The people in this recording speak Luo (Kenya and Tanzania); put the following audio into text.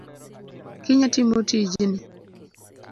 Kinya timo tijni.